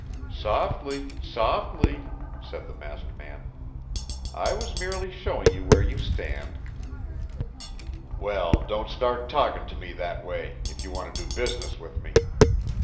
"Softly softly!" said the masked man. "I was merely showing you where you stand." "Well, don't start talkin' to me that way, if you want to do business with me.